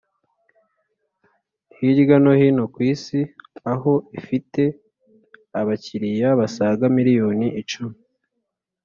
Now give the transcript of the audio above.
hirya no hino kw Isi, aho ifite abakiliya basaga miliyoni icumi